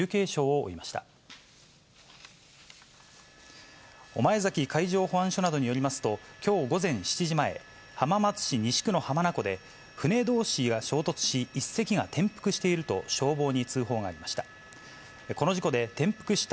おまえざき海上保安署などによりますと、きょう午前７時前、浜松市西区の浜名湖で船どうしが衝突し、１隻が転覆していると消防に通報がありました。